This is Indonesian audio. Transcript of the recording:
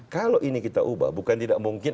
kalau ini kita ubah bukan tidak mungkin